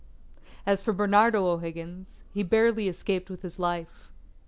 As for Bernardo O'Higgins, he barely escaped with his life.